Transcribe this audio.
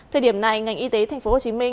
thời điểm này ngành y tế tp hcm